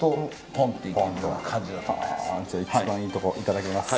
一番いいところいただきます。